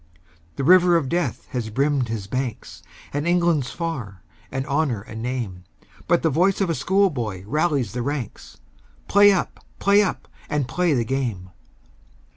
The river of death has brimmed his banks, And England's far, and Honour a name, But the voice of schoolboy rallies the ranks, "Play up! play up! and play the game!"